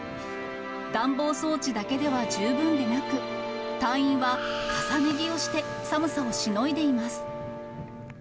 暖房装置だけでは十分でなく、隊員は重ね着をして寒さをしのいでいます。